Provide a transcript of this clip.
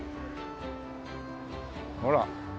ほら。